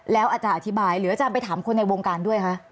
แล้วอาจารย์อธิบายหรืออาจารย์ไปถามคนในวงการด้วยคะ